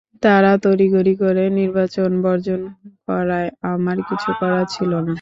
তাঁরা তড়িঘড়ি করে নির্বাচন বর্জন করায় আমার কিছু করার ছিল না।